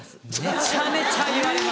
めちゃめちゃ言われます。